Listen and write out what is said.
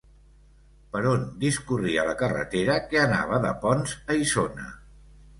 Per on discorria la carretera que anava de Ponts a Isona?